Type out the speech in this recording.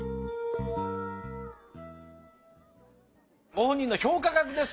ご本人の評価額です。